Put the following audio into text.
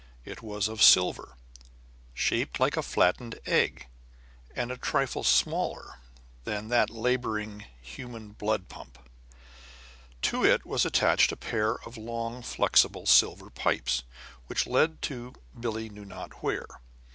It was of silver, shaped like a flattened egg, and a trifle smaller than that laboring, human blood pump; To it was attached a pair of long, flexible, silver pipes, which led to Billie knew not where.